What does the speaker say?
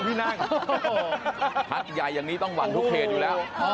ที่นั่งพักใหญ่อย่างนี้ต้องหวังทุกเขตอยู่แล้ว